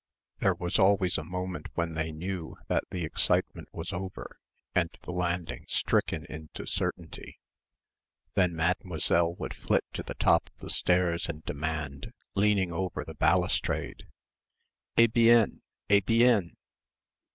There was always a moment when they knew that the excitement was over and the landing stricken into certainty. Then Mademoiselle would flit to the top of the stairs and demand, leaning over the balustrade, "Eh bien! Eh bien!"